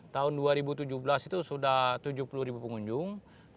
tahun dua ribu tujuh belas itu sudah tujuh puluh ribu pengunjung